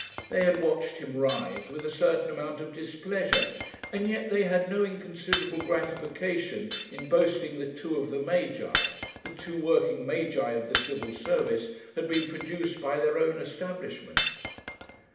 They had watched him rise with a certain amount of displeasure, and yet they had no inconsiderable gratification in boasting that two of the Magi, the two working Magi of the Civil Service, had been produced by their own establishment.